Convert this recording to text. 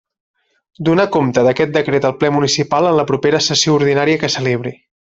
Donar compte d'aquest decret al Ple municipal en la propera sessió ordinària que celebri.